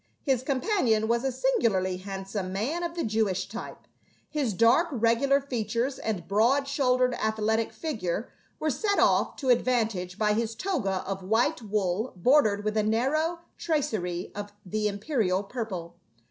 His companion was a singularly handsome man of the Jewish type ; his dark regular features and broad shouldered athletic figure were set off to advantage by his toga of white wool bordered with a narrow tracery of the imperial purple.